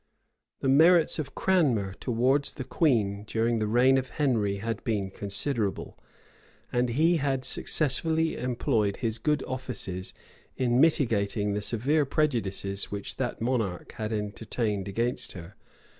The merits of Cranmer towards the queen during the reign of Henry had been considerable; and he had successfully employed his good offices in mitigating the severe prejudices which that monarch had entertained against her.